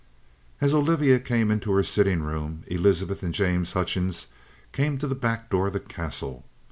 As Olivia came into her sitting room Elizabeth and James Hutchings came to the back door of the Castle.